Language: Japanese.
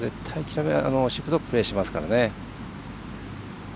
しぶとくプレーしますからね。